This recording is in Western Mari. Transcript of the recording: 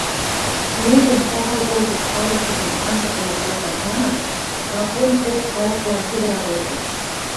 Ӧрӹн шагал колтыш халыкетӹм анзыкыла колташ манын, Гапон поп халыклан сӹгӹрӓл колтыш: